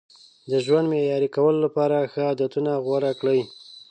د ژوند معیاري کولو لپاره ښه عادتونه غوره کړئ.